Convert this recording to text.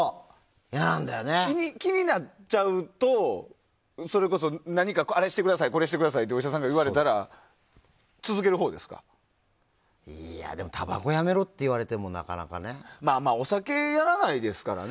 気になっちゃうとそれこそ、あれしてくださいこれしてくださいってお医者さんから言われたらいやでもたばこやめろって言われてもお酒やらないですからね。